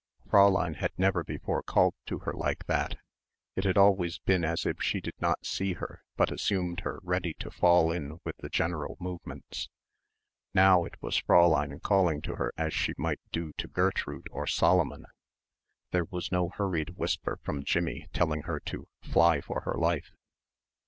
Fräulein had never before called to her like that. It had always been as if she did not see her but assumed her ready to fall in with the general movements. Now it was Fräulein calling to her as she might do to Gertrude or Solomon. There was no hurried whisper from Jimmie telling her to "fly for her life."